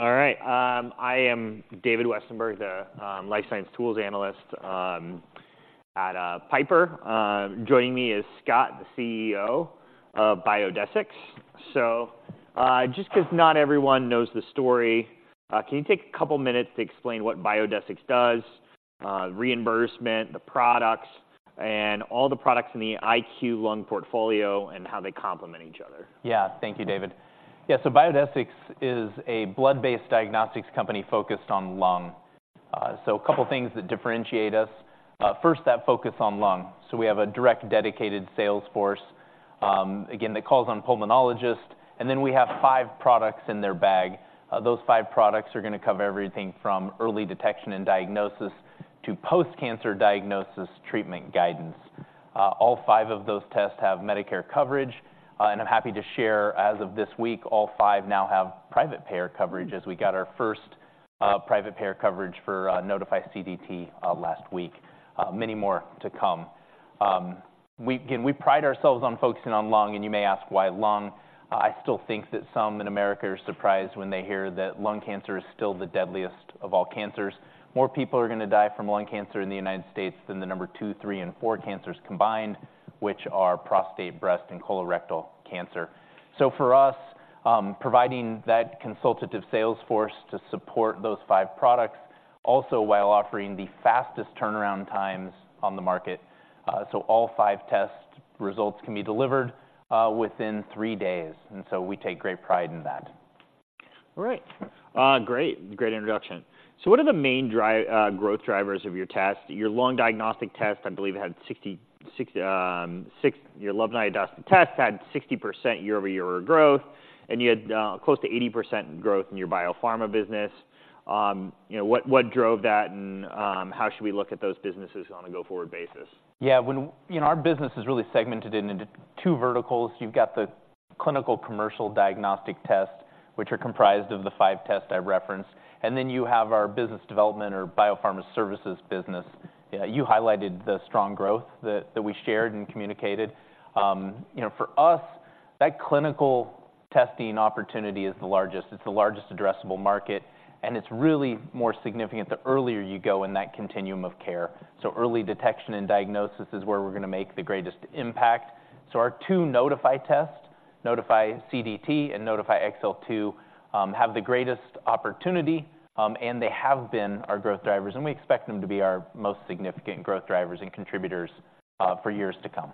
All right, I am David Westenberg, the life science tools analyst at Piper. Joining me is Scott, the CEO of Biodesix. So, just 'cause not everyone knows the story, can you take a couple minutes to explain what Biodesix does, reimbursement, the products, and all the products in the IQLung portfolio, and how they complement each other? Yeah. Thank you, David. Yeah, so Biodesix is a blood-based diagnostics company focused on lung. So a couple things that differentiate us, first, that focus on lung. So we have a direct, dedicated sales force, again, that calls on pulmonologists, and then we have five products in their bag. Those five products are gonna cover everything from early detection and diagnosis to post-cancer diagnosis treatment guidance. All five of those tests have Medicare coverage, and I'm happy to share, as of this week, all five now have private payer coverage, as we got our first private payer coverage for Nodify CDT last week. Many more to come. We again pride ourselves on focusing on lung, and you may ask why lung? I still think that some in America are surprised when they hear that lung cancer is still the deadliest of all cancers. More people are gonna die from lung cancer in the United States than the number two, three, and four cancers combined, which are prostate, breast, and colorectal cancer. So for us, providing that consultative sales force to support those five products, also while offering the fastest turnaround times on the market, so all five test results can be delivered within three days, and so we take great pride in that. All right. Great. Great introduction. So what are the main growth drivers of your test? Your lung diagnostic test, I believe, had 60% year-over-year growth, and you had close to 80% growth in your biopharma business. You know, what drove that, and how should we look at those businesses on a go-forward basis? Yeah, when... You know, our business is really segmented into two verticals. You've got the clinical commercial diagnostic test, which are comprised of the five tests I referenced, and then you have our business development or biopharma services business. You highlighted the strong growth that we shared and communicated. You know, for us, that clinical testing opportunity is the largest. It's the largest addressable market, and it's really more significant the earlier you go in that continuum of care. So early detection and diagnosis is where we're gonna make the greatest impact. So our two Nodify tests, Nodify CDT and Nodify XL2, have the greatest opportunity, and they have been our growth drivers, and we expect them to be our most significant growth drivers and contributors, for years to come.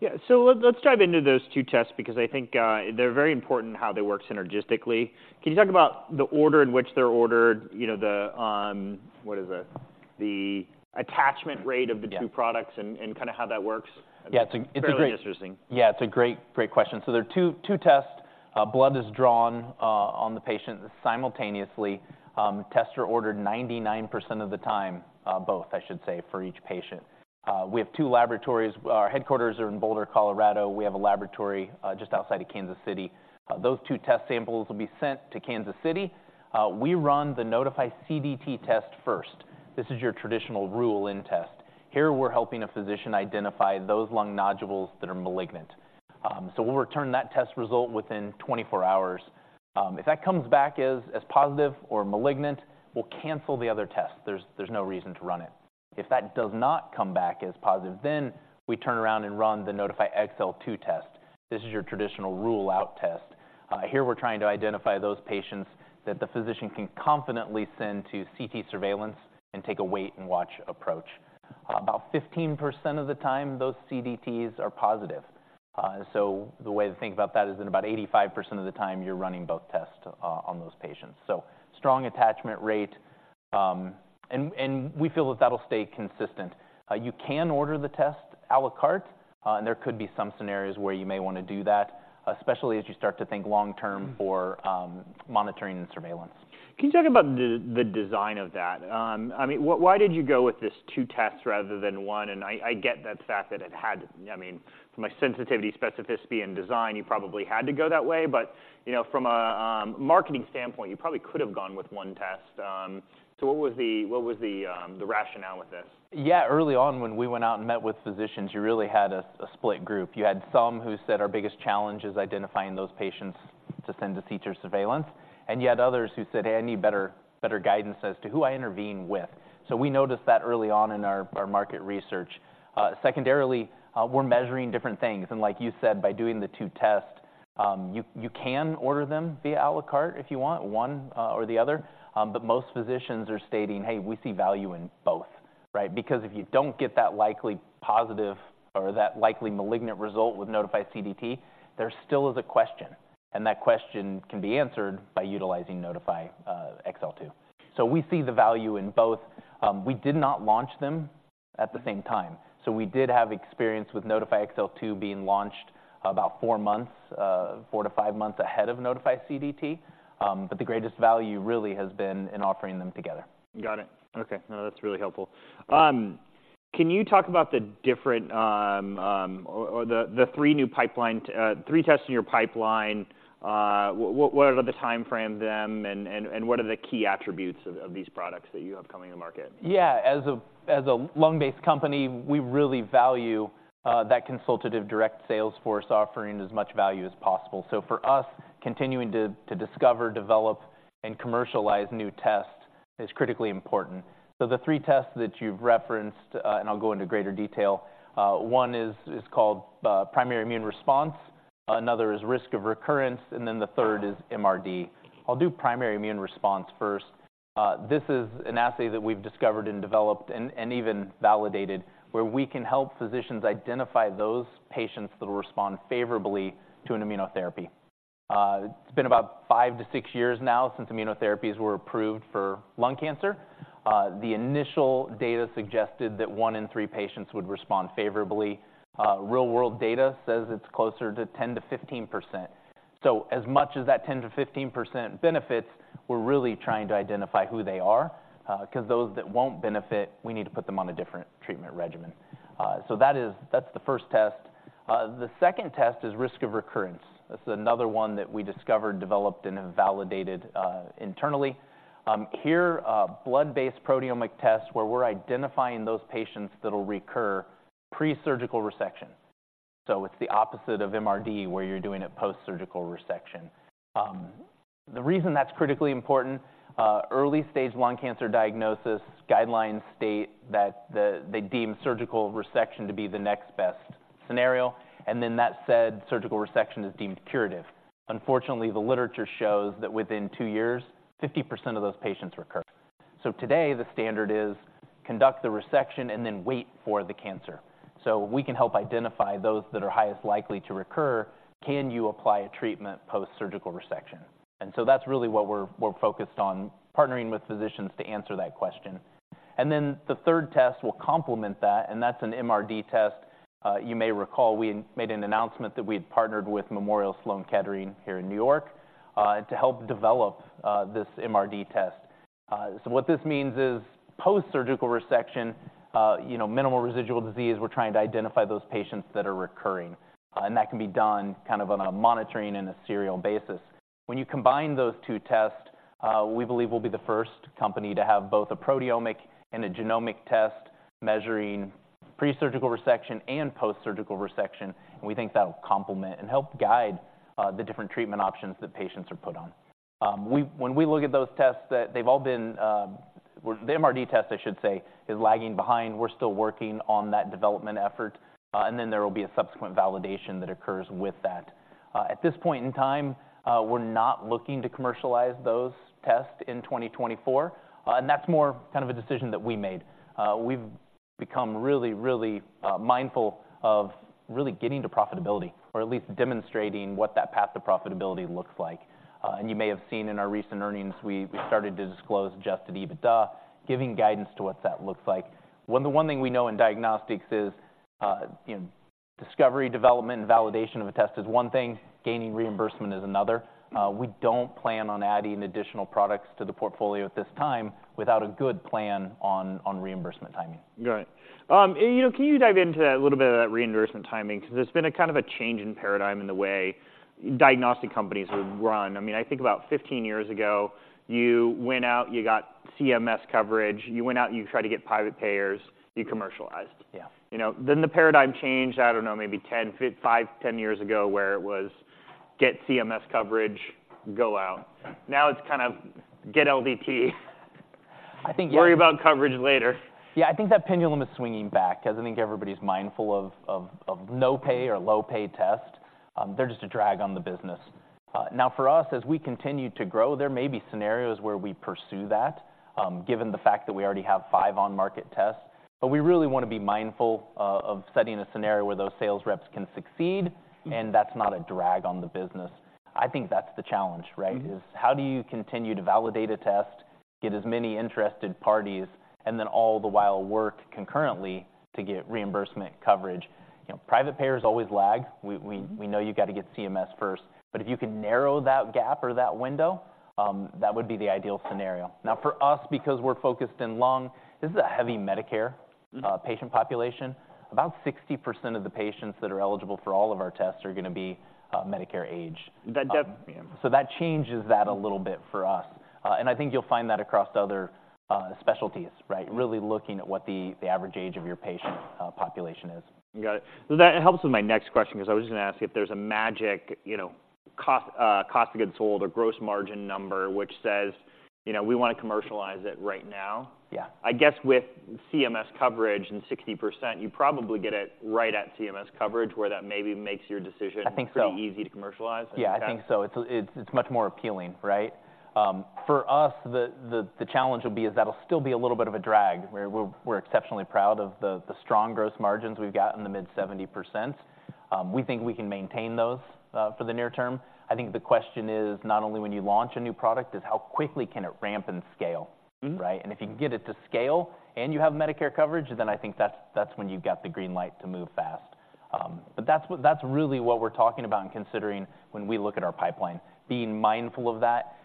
Yeah, so let's dive into those two tests because I think, they're very important in how they work synergistically. Can you talk about the order in which they're ordered, you know, the... What is it? The attachment rate of- Yeah the two products and, and kinda how that works? Yeah, it's a great- Very interesting. Yeah, it's a great, great question. So there are two, two tests. Blood is drawn on the patient simultaneously. Tests are ordered 99% of the time, both, I should say, for each patient. We have two laboratories. Our headquarters are in Boulder, Colorado. We have a laboratory just outside of Kansas City. Those two test samples will be sent to Kansas City. We run the Nodify CDT test first. This is your traditional rule-in test. Here, we're helping a physician identify those lung nodules that are malignant. So we'll return that test result within 24 hours. If that comes back as positive or malignant, we'll cancel the other test. There's no reason to run it. If that does not come back as positive, then we turn around and run the Nodify XL2 test. This is your traditional rule-out test. Here, we're trying to identify those patients that the physician can confidently send to CT surveillance and take a wait-and-watch approach. About 15% of the time, those CDTs are positive. So the way to think about that is that about 85% of the time, you're running both tests on those patients. So strong attachment rate, and we feel that that'll stay consistent. You can order the test à la carte, and there could be some scenarios where you may wanna do that, especially as you start to think long term- Mm-hmm for monitoring and surveillance. Can you talk about the design of that? I mean, why did you go with this two tests rather than one? And I get that fact that it had... I mean, from a sensitivity, specificity, and design, you probably had to go that way, but, you know, from a marketing standpoint, you probably could have gone with one test. So what was the rationale with this? Yeah, early on, when we went out and met with physicians, you really had a split group. You had some who said, "Our biggest challenge is identifying those patients to send to CT surveillance," and you had others who said, "I need better guidance as to who I intervene with." So we noticed that early on in our market research. Secondarily, we're measuring different things, and like you said, by doing the two tests, you can order them via à la carte if you want, one or the other, but most physicians are stating, "Hey, we see value in both," right? Because if you don't get that likely positive or that likely malignant result with Nodify CDT, there still is a question, and that question can be answered by utilizing Nodify XL2. So we see the value in both. We did not launch them at the same time. So we did have experience with Nodify XL2 being launched about 4 months, 4-5 months ahead of Nodify CDT, but the greatest value really has been in offering them together. Got it. Okay. No, that's really helpful. Can you talk about the different or the three new pipeline three tests in your pipeline? What are the timeframe them, and what are the key attributes of these products that you have coming to the market? Yeah. As a lung-based company, we really value that consultative direct sales force offering as much value as possible. So for us, continuing to discover, develop, and commercialize new tests is critically important. So the three tests that you've referenced, and I'll go into greater detail, one is called Primary Immune Response, another is Risk of Recurrence, and then the third is MRD. I'll do Primary Immune Response first. This is an assay that we've discovered and developed and even validated, where we can help physicians identify those patients that will respond favorably to an immunotherapy. It's been about 5-6 years now since immunotherapies were approved for lung cancer. The initial data suggested that 1 in 3 patients would respond favorably. Real world data says it's closer to 10%-15%. So as much as that 10%-15% benefits, we're really trying to identify who they are, 'cause those that won't benefit, we need to put them on a different treatment regimen. So that's the first test. The second test is Risk of Recurrence. That's another one that we discovered, developed, and have validated internally. Here, a blood-based proteomic test, where we're identifying those patients that'll recur pre-surgical resection. So it's the opposite of MRD, where you're doing a post-surgical resection. The reason that's critically important, early-stage lung cancer diagnosis guidelines state that they deem surgical resection to be the next best scenario, and then that said surgical resection is deemed curative. Unfortunately, the literature shows that within two years, 50% of those patients recur. So today, the standard is conduct the resection and then wait for the cancer. So we can help identify those that are highest likely to recur. Can you apply a treatment post-surgical resection? And so that's really what we're, we're focused on, partnering with physicians to answer that question. And then the third test will complement that, and that's an MRD test. You may recall we made an announcement that we had partnered with Memorial Sloan Kettering here in New York to help develop this MRD test. So what this means is post-surgical resection, you know, minimal residual disease, we're trying to identify those patients that are recurring, and that can be done kind of on a monitoring and a serial basis. When you combine those two tests, we believe we'll be the first company to have both a proteomic and a genomic test measuring pre-surgical resection and post-surgical resection, and we think that'll complement and help guide the different treatment options that patients are put on. When we look at those tests that they've all been. Well, the MRD test, I should say, is lagging behind. We're still working on that development effort, and then there will be a subsequent validation that occurs with that. At this point in time, we're not looking to commercialize those tests in 2024, and that's more kind of a decision that we made. We've become really, really mindful of really getting to profitability or at least demonstrating what that path to profitability looks like. And you may have seen in our recent earnings, we started to disclose Adjusted EBITDA, giving guidance to what that looks like. When the one thing we know in diagnostics is, you know, discovery, development, and validation of a test is one thing, gaining reimbursement is another. We don't plan on adding additional products to the portfolio at this time without a good plan on reimbursement timing. Got it. And, you know, can you dive into that a little bit of that reimbursement timing? 'Cause there's been a kind of a change in paradigm in the way diagnostic companies would run. I mean, I think about 15 years ago, you went out, you got CMS coverage, you went out, you tried to get private payers, you commercialized. Yeah. You know, then the paradigm changed, I don't know, maybe 10, 5, 10 years ago, where it was, get CMS coverage, go out. Now it's kind of get LDT, I think- Worry about coverage later. Yeah, I think that pendulum is swinging back, as I think everybody's mindful of no-pay or low-pay test. They're just a drag on the business. Now, for us, as we continue to grow, there may be scenarios where we pursue that, given the fact that we already have five on-market tests. But we really want to be mindful of setting a scenario where those sales reps can succeed, and that's not a drag on the business. I think that's the challenge, right? Mm-hmm. Is how do you continue to validate a test, get as many interested parties, and then all the while work concurrently to get reimbursement coverage? You know, private payers always lag. We know you've got to get CMS first, but if you can narrow that gap or that window, that would be the ideal scenario. Now, for us, because we're focused in lung, this is a heavy Medicare- Mm. Patient population. About 60% of the patients that are eligible for all of our tests are gonna be Medicare age. Yeah. So that changes that a little bit for us. I think you'll find that across other specialties, right? Really looking at what the average age of your patient population is. Got it. So that helps with my next question, 'cause I was gonna ask if there's a magic, you know, cost, cost of goods sold or gross margin number, which says, "You know, we wanna commercialize it right now. Yeah. I guess with CMS coverage and 60%, you probably get it right at CMS coverage, where that maybe makes your decision- I think so. pretty easy to commercialize? Yeah, I think so. It's much more appealing, right? For us, the challenge will be is that'll still be a little bit of a drag, where we're exceptionally proud of the strong gross margins we've got in the mid 70%. We think we can maintain those for the near term. I think the question is, not only when you launch a new product, is how quickly can it ramp and scale? Mm-hmm. Right? And if you can get it to scale and you have Medicare coverage, then I think that's when you've got the green light to move fast. But that's really what we're talking about and considering when we look at our pipeline. Being mindful of that,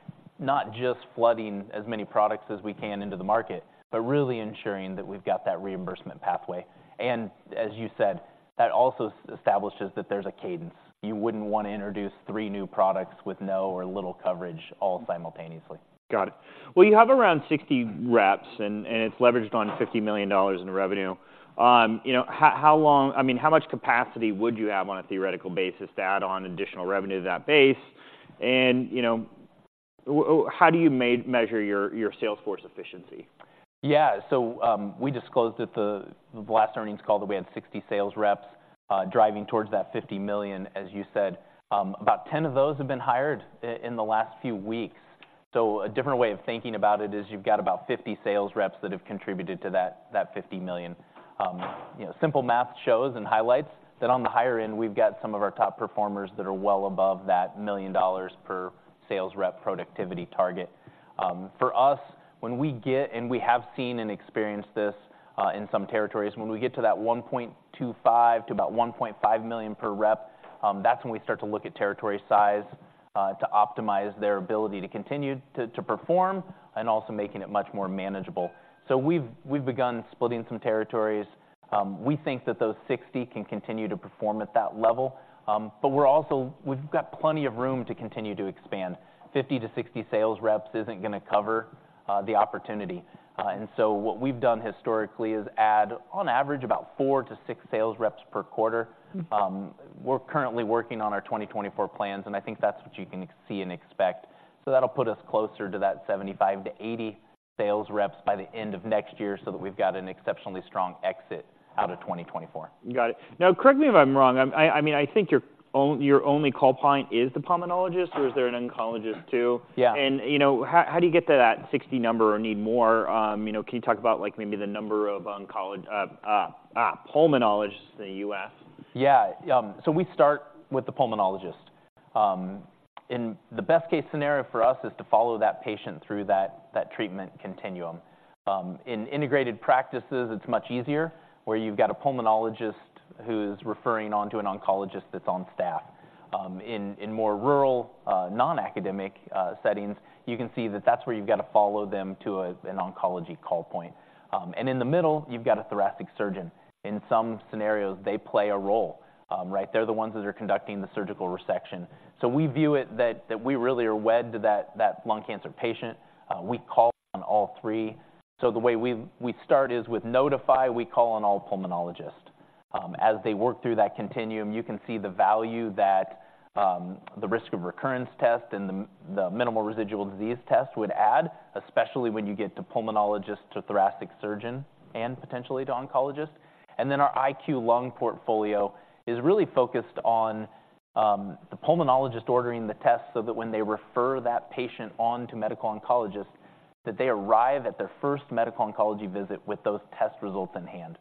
not just flooding as many products as we can into the market, but really ensuring that we've got that reimbursement pathway. And as you said, that also establishes that there's a cadence. You wouldn't want to introduce three new products with no or little coverage all simultaneously. Got it. Well, you have around 60 reps, and it's leveraged on $50 million in revenue. You know, how long... I mean, how much capacity would you have on a theoretical basis to add on additional revenue to that base? And, you know, how do you measure your sales force efficiency? Yeah, so, we disclosed at the last earnings call that we had 60 sales reps driving towards that $50 million, as you said. About 10 of those have been hired in the last few weeks. So a different way of thinking about it is you've got about 50 sales reps that have contributed to that $50 million. You know, simple math shows and highlights that on the higher end, we've got some of our top performers that are well above that $1 million per sales rep productivity target. For us, when we get, and we have seen and experienced this, in some territories, when we get to that $1.25-$1.5 million per rep, that's when we start to look at territory size, to optimize their ability to continue to perform and also making it much more manageable. So we've begun splitting some territories. We think that those 60 can continue to perform at that level, but we're also. We've got plenty of room to continue to expand. 50-60 sales reps isn't gonna cover the opportunity. And so what we've done historically is add, on average, about 4-6 sales reps per quarter. We're currently working on our 2024 plans, and I think that's what you can expect. So that'll put us closer to that 75-80 sales reps by the end of next year, so that we've got an exceptionally strong exit out of 2024. Got it. Now, correct me if I'm wrong. I mean, I think your only call point is the pulmonologist, or is there an oncologist, too? Yeah. You know, how do you get to that 60 number or need more? You know, can you talk about, like, maybe the number of oncologists, pulmonologists in the US? Yeah, so we start with the pulmonologist. And the best-case scenario for us is to follow that patient through that, that treatment continuum. In integrated practices, it's much easier, where you've got a pulmonologist who's referring on to an oncologist that's on staff. In, in more rural, non-academic, settings, you can see that that's where you've got to follow them to a, an oncology call point. And in the middle, you've got a thoracic surgeon. In some scenarios, they play a role, right? They're the ones that are conducting the surgical resection. So we view it that, that we really are wed to that, that lung cancer patient. We call on all three. So the way we, we start is with Nodify. We call on all pulmonologists. As they work through that continuum, you can see the value that, the risk of recurrence test and the minimal residual disease test would add, especially when you get to pulmonologist, to thoracic surgeon, and potentially to oncologist. And then our IQLung portfolio is really focused on, the pulmonologist ordering the test so that when they refer that patient on to medical oncologist, that they arrive at their first medical oncology visit with those test results in hand,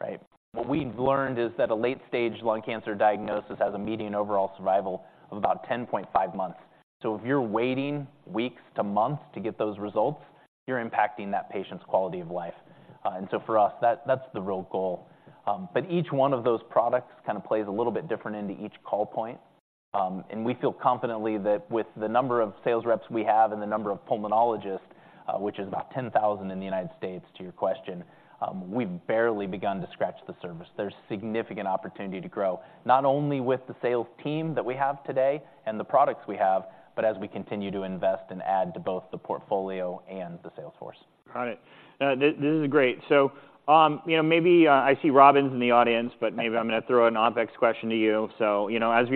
right? What we've learned is that a late-stage lung cancer diagnosis has a median overall survival of about 10.5 months. So if you're waiting weeks to months to get those results, you're impacting that patient's quality of life. And so for us, that's the real goal. But each one of those products kind of plays a little bit different into each call point. And we feel confidently that with the number of sales reps we have and the number of pulmonologists, which is about 10,000 in the United States, to your question, we've barely begun to scratch the surface. There's significant opportunity to grow, not only with the sales team that we have today and the products we have, but as we continue to invest and add to both the portfolio and the sales force. Got it. This is great. So, you know, maybe I see Robin's in the audience, but maybe I'm gonna throw an off-axis question to you. So, you know, as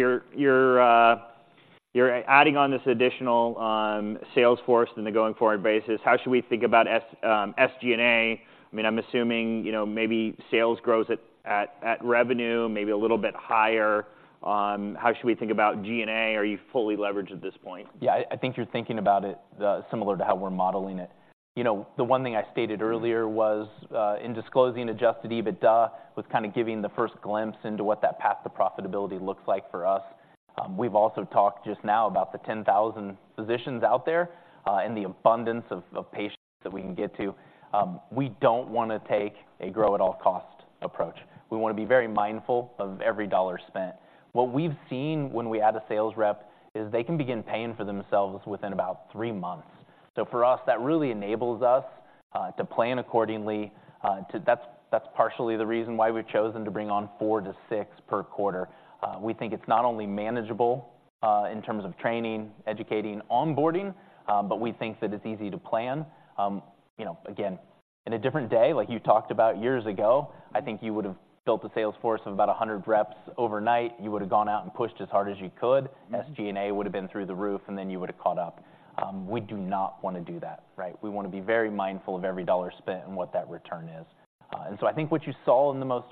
you're adding on this additional sales force in the going-forward basis, how should we think about SG&A? I mean, I'm assuming, you know, maybe sales grows at revenue, maybe a little bit higher. How should we think about G&A? Are you fully leveraged at this point? Yeah, I think you're thinking about it similar to how we're modeling it. You know, the one thing I stated earlier was in disclosing Adjusted EBITDA, was kind of giving the first glimpse into what that path to profitability looks like for us. We've also talked just now about the 10,000 physicians out there and the abundance of patients that we can get to. We don't wanna take a grow-at-all-cost approach. We wanna be very mindful of every dollar spent. What we've seen when we add a sales rep is they can begin paying for themselves within about three months. So for us, that really enables us to plan accordingly. That's partially the reason why we've chosen to bring on four-to-six per quarter. We think it's not only manageable, in terms of training, educating, onboarding, but we think that it's easy to plan. You know, again, in a different day, like you talked about years ago, I think you would have built a sales force of about 100 reps overnight. You would have gone out and pushed as hard as you could. Mm-hmm. SG&A would have been through the roof, and then you would have caught up. We do not wanna do that, right? We wanna be very mindful of every dollar spent and what that return is. And so I think what you saw in the most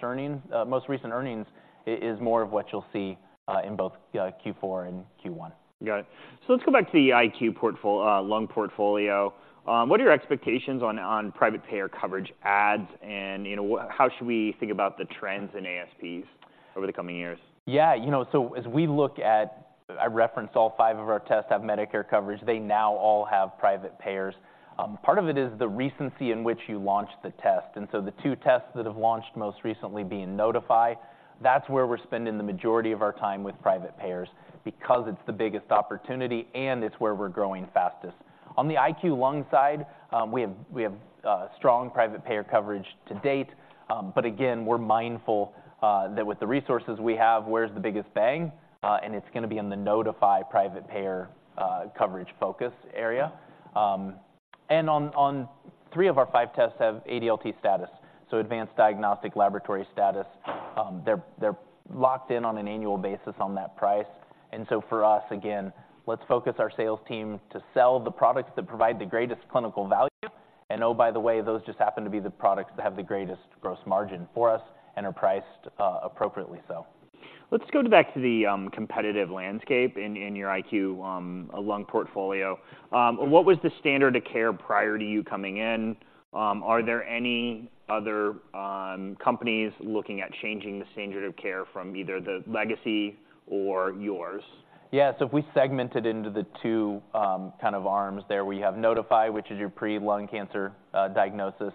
recent earnings is more of what you'll see in both Q4 and Q1. Got it. So let's go back to the IQLung portfolio. What are your expectations on private payer coverage adds, and you know, how should we think about the trends in ASPs over the coming years? Yeah, you know, so as we look at it. I referenced all five of our tests have Medicare coverage. They now all have private payers. Part of it is the recency in which you launched the test, and so the two tests that have launched most recently being Nodify, that's where we're spending the majority of our time with private payers because it's the biggest opportunity, and it's where we're growing fastest. On the IQLung side, we have strong private payer coverage to date, but again, we're mindful that with the resources we have, where's the biggest bang? And it's gonna be in the Nodify private payer coverage focus area. And on three of our five tests have ADLT status, so advanced diagnostic laboratory status. They're locked in on an annual basis on that price, and so for us, again, let's focus our sales team to sell the products that provide the greatest clinical value, and oh, by the way, those just happen to be the products that have the greatest gross margin for us and are priced appropriately so. Let's go back to the competitive landscape in your IQLung portfolio. What was the standard of care prior to you coming in? Are there any other companies looking at changing the standard of care from either the legacy or yours? Yeah, so if we segmented into the two, kind of arms there, we have Nodify, which is your pre-lung cancer diagnosis.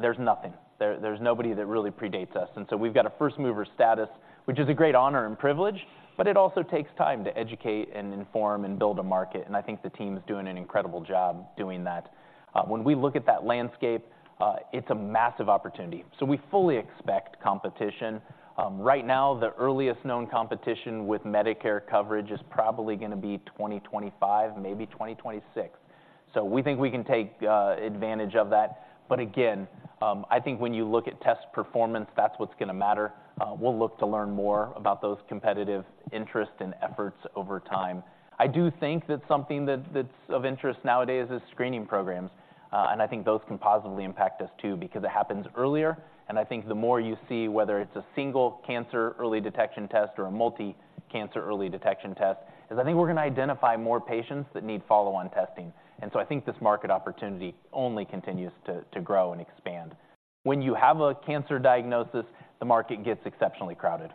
There's nothing there, there's nobody that really predates us, and so we've got a first-mover status, which is a great honor and privilege, but it also takes time to educate and inform and build a market, and I think the team's doing an incredible job doing that. When we look at that landscape, it's a massive opportunity, so we fully expect competition. Right now, the earliest known competition with Medicare coverage is probably gonna be 2025, maybe 2026. So we think we can take advantage of that, but again, I think when you look at test performance, that's what's gonna matter. We'll look to learn more about those competitive interests and efforts over time. I do think that something that's of interest nowadays is screening programs, and I think those can positively impact us, too, because it happens earlier, and I think the more you see, whether it's a single cancer early detection test or a multi-cancer early detection test, is, I think we're gonna identify more patients that need follow-on testing, and so I think this market opportunity only continues to grow and expand. When you have a cancer diagnosis, the market gets exceptionally crowded,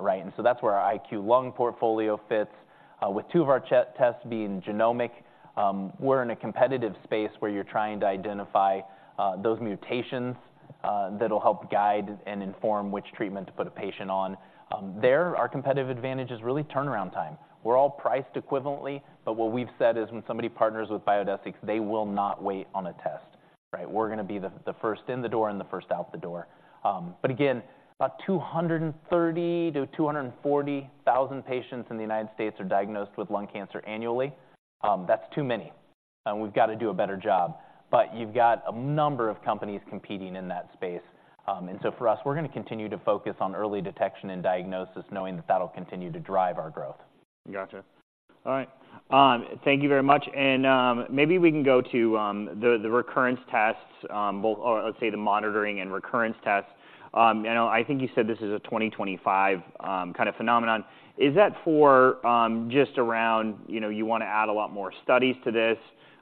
right? And so that's where our IQLung portfolio fits. With two of our tests being genomic, we're in a competitive space where you're trying to identify those mutations that'll help guide and inform which treatment to put a patient on. There, our competitive advantage is really turnaround time. We're all priced equivalently, but what we've said is, when somebody partners with Biodesix, they will not wait on a test, right? We're gonna be the first in the door and the first out the door. But again, about 230,000-240,000 patients in the United States are diagnosed with lung cancer annually. That's too many, and we've got to do a better job. But you've got a number of companies competing in that space. And so for us, we're gonna continue to focus on early detection and diagnosis, knowing that that'll continue to drive our growth. Gotcha. All right, thank you very much. And, maybe we can go to, the, the recurrence tests, well, or let's say the monitoring and recurrence tests. And I think you said this is a 2025 kind of phenomenon. Is that for, just around, you know, you want to add a lot more studies to this?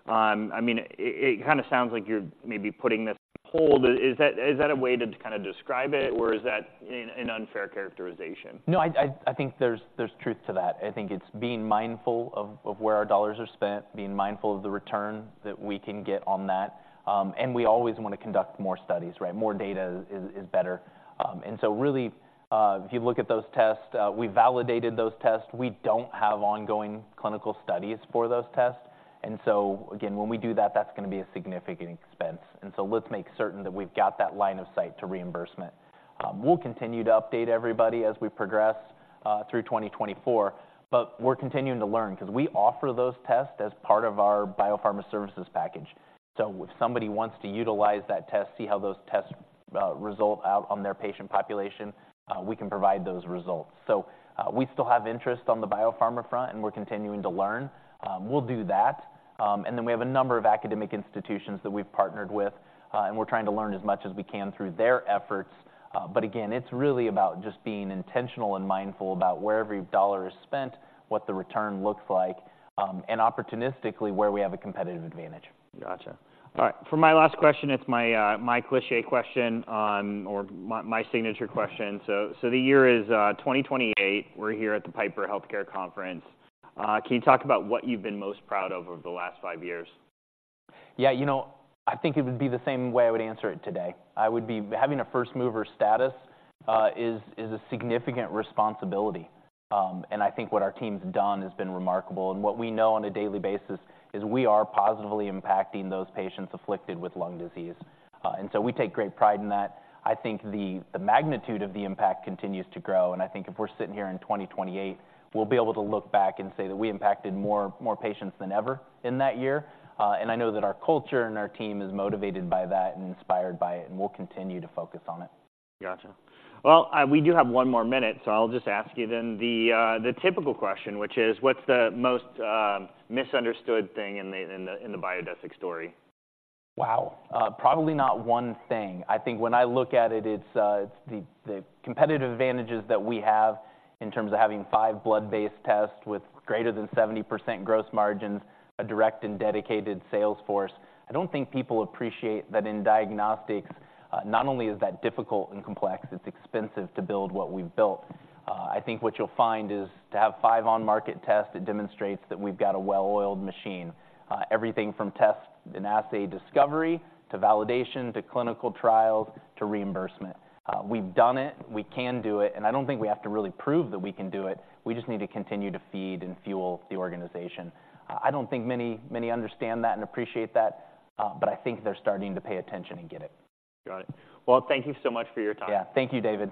I mean, it, it kinda sounds like you're maybe putting this on hold. Is that, is that a way to kind of describe it, or is that an unfair characterization? No, I think there's truth to that. I think it's being mindful of where our dollars are spent, being mindful of the return that we can get on that. And we always want to conduct more studies, right? More data is better. And so really, if you look at those tests, we validated those tests. We don't have ongoing clinical studies for those tests, and so again, when we do that, that's gonna be a significant expense, and so let's make certain that we've got that line of sight to reimbursement. We'll continue to update everybody as we progress through 2024, but we're continuing to learn 'cause we offer those tests as part of our biopharma services package. So if somebody wants to utilize that test, see how those tests result out on their patient population, we can provide those results. So, we still have interest on the biopharma front, and we're continuing to learn. We'll do that, and then we have a number of academic institutions that we've partnered with, and we're trying to learn as much as we can through their efforts. But again, it's really about just being intentional and mindful about where every dollar is spent, what the return looks like, and opportunistically, where we have a competitive advantage. Gotcha. All right, for my last question, it's my cliché question, or my signature question. So the year is 2028. We're here at the Piper Healthcare Conference. Can you talk about what you've been most proud of over the last five years? Yeah, you know, I think it would be the same way I would answer it today. I would be... Having a first-mover status is a significant responsibility, and I think what our team's done has been remarkable. And what we know on a daily basis is we are positively impacting those patients afflicted with lung disease, and so we take great pride in that. I think the magnitude of the impact continues to grow, and I think if we're sitting here in 2028, we'll be able to look back and say that we impacted more patients than ever in that year. And I know that our culture and our team is motivated by that and inspired by it, and we'll continue to focus on it. Gotcha. Well, we do have one more minute, so I'll just ask you then the, the typical question, which is: What's the most, misunderstood thing in the, in the, in the Biodesix story? Wow! Probably not one thing. I think when I look at it, it's the competitive advantages that we have in terms of having five blood-based tests with greater than 70% gross margins, a direct and dedicated sales force. I don't think people appreciate that in diagnostics, not only is that difficult and complex, it's expensive to build what we've built. I think what you'll find is to have five on-market tests, it demonstrates that we've got a well-oiled machine. Everything from test and assay discovery, to validation, to clinical trials, to reimbursement. We've done it, we can do it, and I don't think we have to really prove that we can do it. We just need to continue to feed and fuel the organization. I don't think many, many understand that and appreciate that, but I think they're starting to pay attention and get it. Got it. Well, thank you so much for your time. Yeah. Thank you, David.